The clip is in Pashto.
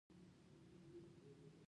دوی به کاروانونه تالاشي کول.